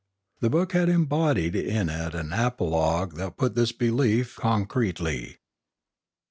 The book had embodied in it an apologue that put this belief concretely.